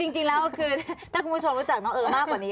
จริงแล้วคือถ้าคุณผู้ชมรู้จักน้องเออมากกว่านี้